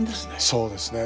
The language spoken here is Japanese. そうですね。